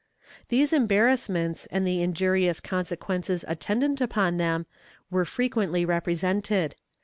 These embarrassments and the injurious consequences attendant upon them were frequently represented.